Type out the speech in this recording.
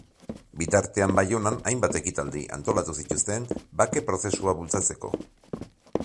Bitartean Baionan hainbat ekitaldi antolatu zituzten bake prozesua bultzatzeko.